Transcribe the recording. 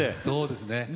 そうですね。